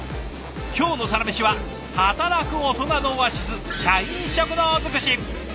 今日の「サラメシ」は働くオトナのオアシス社員食堂尽くし！